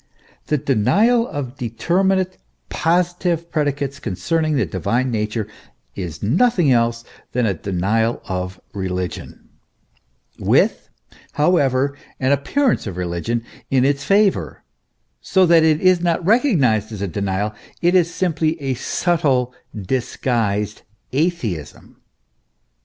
The denial of determinate, positive predicates concerning the divine nature, is nothing else than a denial of religion, with, however, an appearance of religion in its favour, so that it is not recognised as a denial ; it is simply a subtle, disguised atheism.